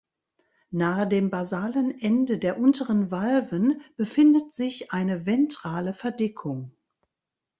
Nahe dem basalen Ende der unteren Valven befindet sich eine ventrale Verdickung.